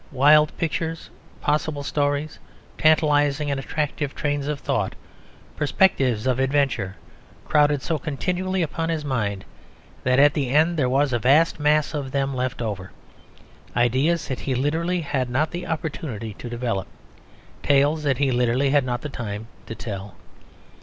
Wild pictures, possible stories, tantalising and attractive trains of thought, perspectives of adventure, crowded so continually upon his mind that at the end there was a vast mass of them left over, ideas that he literally had not the opportunity to develop, tales that he literally had not the time to tell.